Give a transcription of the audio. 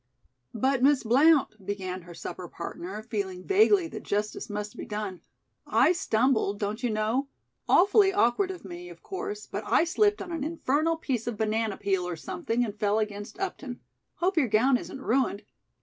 "But, Miss Blount," began her supper partner, feeling vaguely that justice must be done, "I stumbled, don't you know? Awfully awkward of me, of course, but I slipped on an infernal piece of banana peel or something and fell against Upton. Hope your gown isn't ruined."